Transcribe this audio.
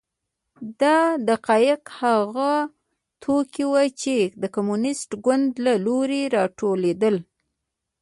دا دقیقا هغه توکي وو چې د کمونېست ګوند له لوري راټولېدل.